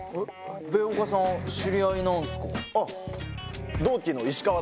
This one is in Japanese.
べおかさん知り合いなんすか？